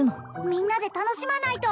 みんなで楽しまないと！